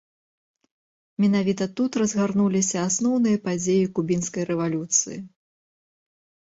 Менавіта тут разгарнуліся асноўныя падзеі кубінскай рэвалюцыі.